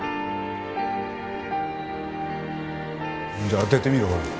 じゃあ当ててみろよほら。